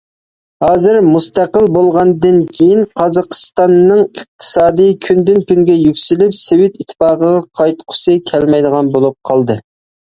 ھازىر مۇستەقىل بولغاندىن كېيىن، قازاقىستاننىڭ ئىقتىسادى كۈندىن-كۈنگە يۈكسىلىپ، سوۋېت ئىتتىپاقىغا قايتقۇسى كەلمەيدىغان بولۇپ قالدى.